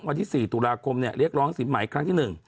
วันที่๔ตุลาคมเรียกร้องสินใหม่ครั้งที่๑